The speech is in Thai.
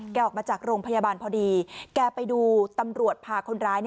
ออกมาจากโรงพยาบาลพอดีแกไปดูตำรวจพาคนร้าย